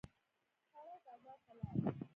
سړی بازار ته لاړ.